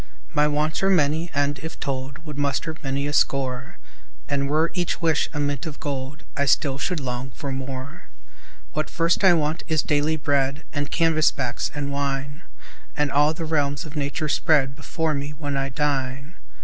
My wants are many and, if told, Would muster many a score; And were each wish a mint of gold, I still should long for more. What first I want is daily bread And canvas backs, and wine And all the realms of nature spread Before me, when I dine.